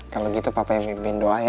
kalau gitu papa yang memimpin doa ya